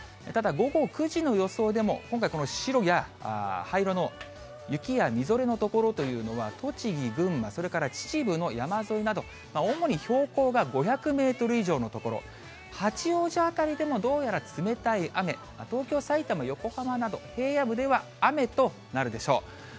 ただ、午後９時の予想でも、今回この白や灰色の雪やみぞれの所というのは、栃木、群馬、それから秩父の山沿いなど、主に標高が５００メートル以上の所、八王子辺りでもどうやら冷たい雨、東京、さいたま、横浜など、平野部では雨となるでしょう。